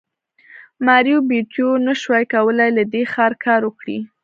ماریو بیوټو نشوای کولی له دې ښه کار وکړي